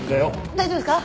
大丈夫ですか？